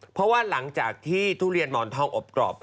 เพราะว่าหลังจากที่ทุเรียนหมอนทองอบกรอบ